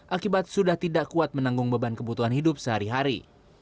akibat sudah tidak kuat menanggung beban kebutuhan hidup sehari hari